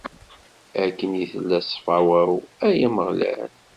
Akken i tella ṣṣfawa-w, a Ameɣlal!